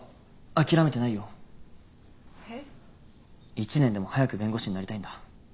１年でも早く弁護士になりたいんだ。